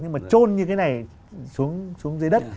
nhưng mà trôn như cái này xuống dưới đất